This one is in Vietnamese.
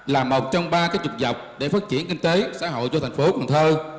là một trong ba cái trục dọc để phát triển kinh tế xã hội cho thành phố cần thơ